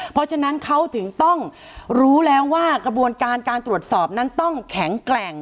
เพราะฉะนั้นเขาถึงต้องรู้แล้วว่ากระบวนการการตรวจสอบนั้นต้องแข็งแกร่ง